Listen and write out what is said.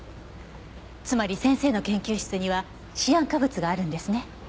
つまり先生の研究室にはシアン化物があるんですね？